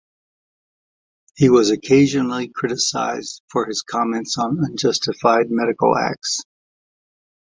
He was occasionally criticized for his comments on unjustified medical acts.